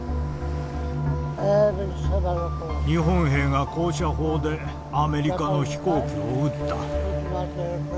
日本兵が高射砲でアメリカの飛行機を撃った。